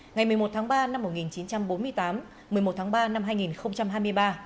ngày một mươi một tháng ba năm một nghìn chín trăm bốn mươi tám một mươi một tháng ba năm hai nghìn hai mươi ba